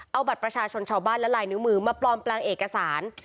เอาบัตรประชาชนชาวบ้านและลายนิ้วมือมาปลอมแปลงเอกสาร